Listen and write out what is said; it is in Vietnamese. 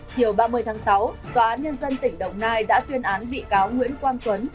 chiều ba mươi tháng sáu tòa án nhân dân tỉnh đồng nai đã tuyên án bị cáo nguyễn quang tuấn